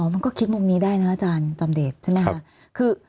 มันก็คิดมุมนี้ได้นะอาจารย์จอมเดชใช่ไหมคะ